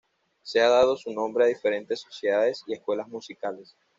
Se ha dado su nombre a diferentes sociedades y escuelas musicales.